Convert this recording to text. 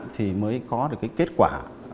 thì mới có được cái kết quả